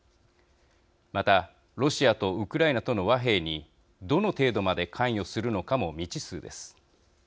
またロシアとウクライナとの和平にどの程度まで関与するのかも未知数です。